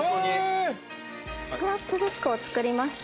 スクラップブックを作りました。